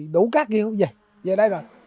đủ các yêu dạy giờ đây rồi